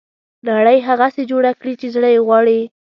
نړۍ هغسې جوړه کړي چې زړه یې غواړي.